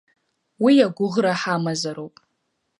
Уи агәыӷра ҳамазароуп…